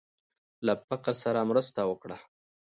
له فقير سره مرسته وکړه.